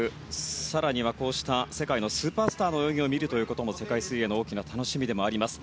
更には、こうした世界のスーパースターの泳ぎを見るということも、世界水泳の大きな楽しみでもあります。